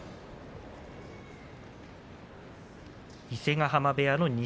伊勢ヶ濱部屋の錦